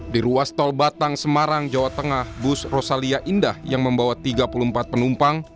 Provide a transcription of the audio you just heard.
di ruas tol batang semarang jawa tengah bus rosalia indah yang membawa tiga puluh empat penumpang